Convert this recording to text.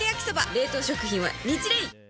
冷凍食品はニチレイ！